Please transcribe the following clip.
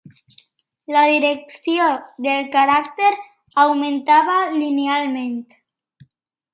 La direcció del caràcter augmentava linealment.